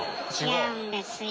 違うんですよ。